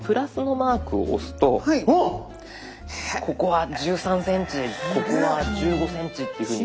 ここは１３ｃｍここは１５ｃｍっていうふうに。